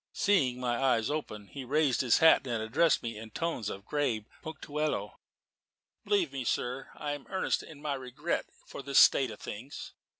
Seeing my eyes open, he raised his hat and addressed me in tones of grave punctilio. "Believe me, sir, I am earnest in my regret for this state of things.